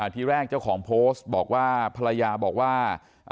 ทีแรกเจ้าของโพสต์บอกว่าภรรยาบอกว่า